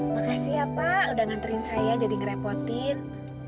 makasih ya pak udah nganterin saya jadi ngerepotin